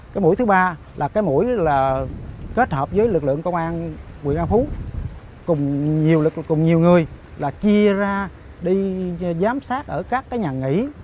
cái mũi thứ ba là cái mũi kết hợp với lực lượng công an nguyễn an phú cùng nhiều người là chia ra đi giám sát ở các nhà nghỉ